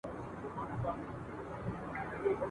ما مي په تحفه کي وزرونه درته ایښي دي ..